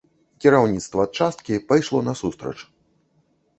Кіраўніцтва часткі пайшло насустрач.